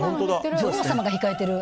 女王様が控えている。